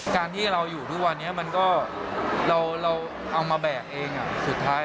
การที่เราอยู่ทุกวันนี้มันก็เราเอามาแบกเองสุดท้าย